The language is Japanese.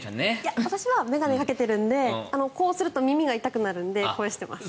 私は眼鏡をかけているのでこうすると耳が痛くなるのでこうしてます。